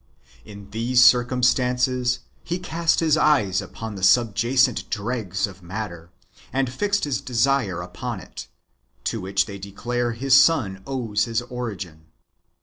In these circumstances, he cast his eyes upon the subjacent dregs of matter, and fixed his desire upon it, to which they declare his son owes his origin.